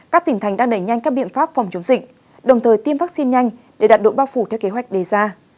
các tỉnh thành đang đẩy nhanh các biện pháp phòng chống dịch đồng thời tiêm vaccine nhanh để đạt độ bao phủ theo kế hoạch đề ra